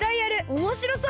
おもしろそう！